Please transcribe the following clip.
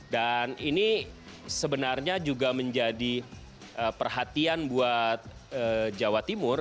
dan ini sebenarnya juga menjadi perhatian buat jawa timur